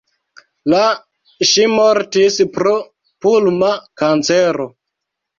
La ŝi mortis pro pulma kancero.